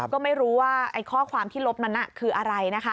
ก็ไม่รู้ว่าข้อความที่ลบนั้นคืออะไรนะคะ